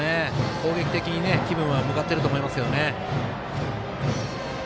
攻撃的に気分は向かってると思いますよね。